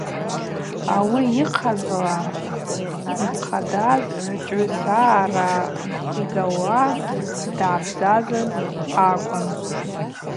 Ауи йыхъазла йхъадаз гӏвычӏвгӏвысагӏа нкъвигауата дъабзазаз акӏвын.